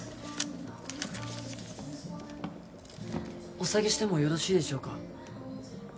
お下げしてもよろしいでしょうか